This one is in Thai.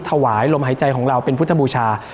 ถวายลมหายใจของเราเป็นพุทธบูชา